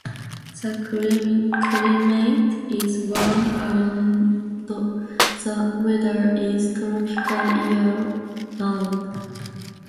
The climate is warm and the weather is tropical year round.